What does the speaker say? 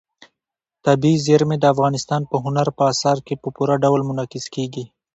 طبیعي زیرمې د افغانستان په هنر په اثار کې په پوره ډول منعکس کېږي.